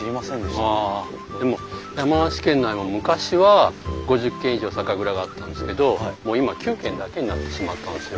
でも山梨県内も昔は５０軒以上酒蔵があったんですけどもう今は９軒だけになってしまったんですよ。